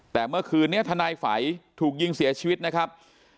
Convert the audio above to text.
แต่เมื่อคืนนี้ทนายฝัยถูกยิงเสียชีวิตนะครับ